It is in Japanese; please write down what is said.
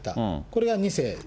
これが２世。